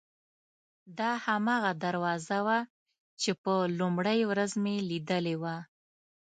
دا هماغه دروازه وه چې په لومړۍ ورځ مې لیدلې وه.